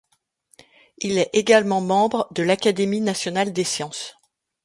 Il est également membre de l'Académie nationale des sciences.